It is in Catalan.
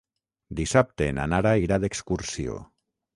Dissabte na Nara irà d'excursió.